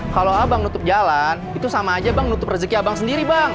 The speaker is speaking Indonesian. kalau abang nutup jalan itu sama aja bang nutup rezeki abang sendiri bang